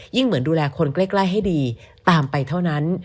เหมือนดูแลคนใกล้ให้ดีตามไปเท่านั้น